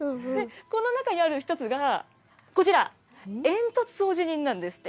この中にある１つが、こちら、煙突掃除人なんですって。